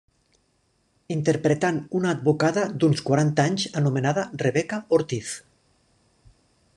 Interpretant una advocada d'uns quaranta anys anomenada Rebeca Ortiz.